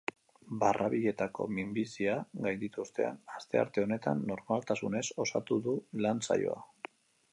Barrabiletako minbizia gainditu ostean, astearte honetan normaltasunez osatu du lan-saioa.